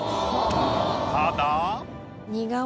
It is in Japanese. ただ。